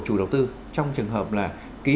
chủ đầu tư trong trường hợp là ký